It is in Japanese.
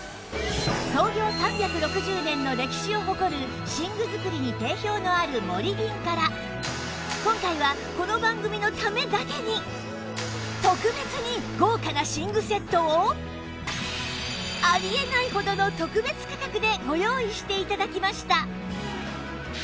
創業３６０年の歴史を誇る寝具作りに定評のあるモリリンから今回はこの番組のためだけに特別に豪華な寝具セットをあり得ないほどの特別価格でご用意して頂きました